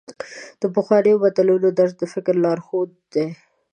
د پخوانیو متلونو درس د فکر لارښود دی.